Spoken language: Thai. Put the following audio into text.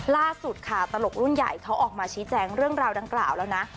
ล่าสุดค่ะตลกรุ่นใหญ่เขาออกมาชี้แจงเรื่องราวดังกล่าวแล้วนะ